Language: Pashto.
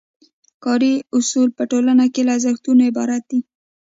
کاري اصول په ټولنه کې له ارزښتونو عبارت دي.